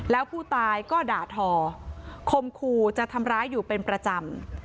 แล้วผู้ตายก็ด่าทอคมคูจะทำร้ายอยู่เป็นประจำ